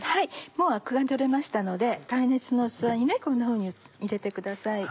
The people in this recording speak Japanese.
もうアクが取れましたので耐熱の器にこんなふうに入れてください。